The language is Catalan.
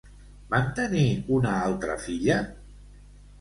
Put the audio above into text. Van tenir una altra filla?